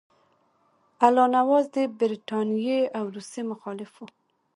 الله نواز د برټانیې او روسیې مخالف وو.